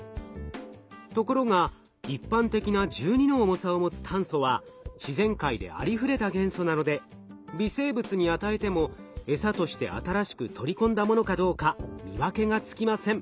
ところが一般的な１２の重さを持つ炭素は自然界でありふれた元素なので微生物に与えてもエサとして新しく取り込んだものかどうか見分けがつきません。